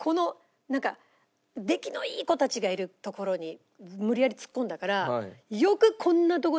なんか出来のいい子たちがいる所に無理やり突っ込んだから。